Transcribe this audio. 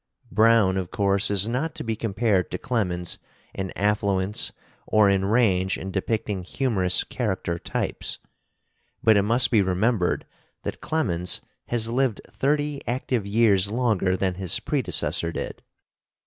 Browne of course is not to be compared to Clemens in affluence or in range in depicting humorous character types; but it must be remembered that Clemens has lived thirty active years longer than his predecessor did.